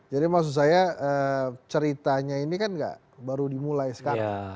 jadi maksud saya ceritanya ini kan enggak baru dimulai sekarang